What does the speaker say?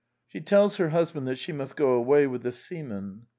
She tells her husband that she must go away with the seaman.